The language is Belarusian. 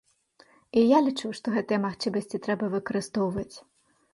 І я лічу, што гэтыя магчымасці трэба выкарыстоўваць.